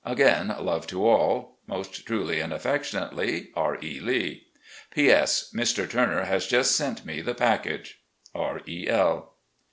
Again love to all. " Most truly and affectionately, "R. E. Lee. "P. S. — ^Mr. Turner has just sent me the package. "R. E. L."